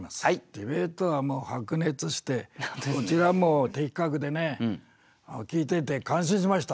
ディベートはもう白熱してどちらも的確でね聞いてて感心しました。